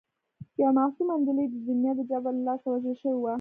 یوه معصومه نجلۍ د دنیا د جبر له لاسه وژل شوې وه